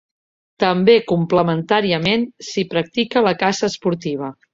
També complementàriament s'hi practica la caça esportiva.